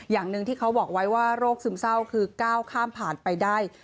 อย่างหนึ่งที่เขาบอกไว้ว่าโรคซึมเศร้าคือก้าวข้ามผ่านไปได้